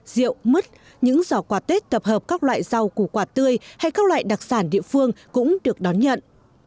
rượu mứt những giỏ quà tết tập hợp các loại rau củ quả tươi hay các loại đặc sản địa phương cũng được đón nhận